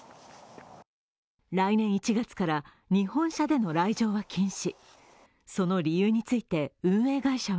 来年１月から日本車での来場は禁止。